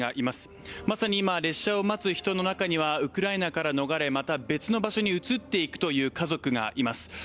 まさに今、列車を待つ人の中にはウクライナから逃れまた別の場所に移っていくという家族がいます